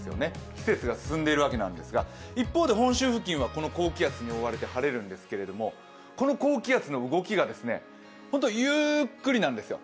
季節が進んでいるわけなんですが一方で本州付近はこの高気圧に覆われて晴れるんですけれどもこの高気圧の動きが、ホントゆっくりなんですよ。